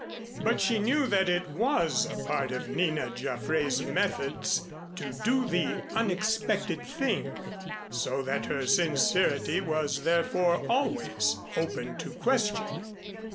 But she knew that it was a part of Nina Jaffray's methods to do the unexpected thing, so that her sincerity was therefore always open to question.